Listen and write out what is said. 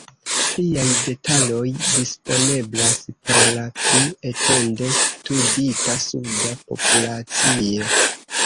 Pliaj detaloj disponeblas por la pli etende studita suda populacio.